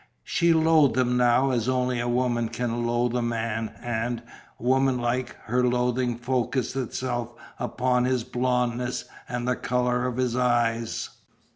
She loathed him now as only a woman can loathe a man and, woman like, her loathing focussed itself upon his blondness and the colour of his eyes.